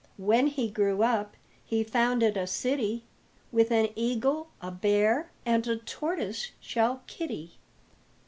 When he grew up He founded a city With an eagle, a bear, And a tortoise shell kitty.